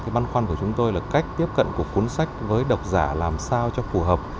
băn khoăn của chúng tôi là cách tiếp cận của cuốn sách với độc giả làm sao cho phù hợp